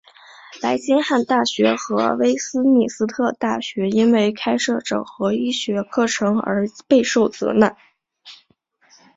白金汉大学和威斯敏斯特大学因为开设整合医学课程而备受责难。